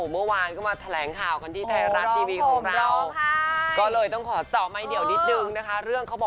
เมื่อวานมาแถลงใจภาวน์กระทับยนต์ไทยรัสทีวีของเรา